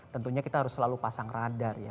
tentunya kita harus selalu pasang radar ya